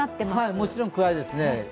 もちろん暗いですね。